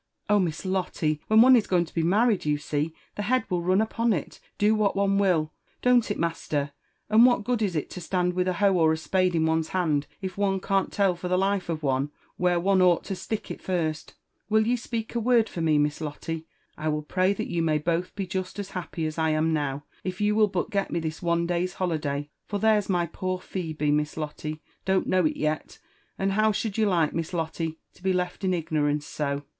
"Oh, Miss Lottel when one is going to be married, yoiisee, the head will run upon it, do what one will. Don't it, master ? And what good Is It to stand with a hoe or a spade in one's hand, if one can't tell for the life of one where one ought to stick it first ? Will ye speak a word for me. Miss Lotte? I will pray that you may both be jest as^ happy as I am now, if you will but get me this one day's holiday. For there's my poor Phebe, Miss Lotte, don't know it yet ; and how should you like, Miss Lotte, to be left in ignorance so